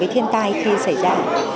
và các thiên tai khi xảy ra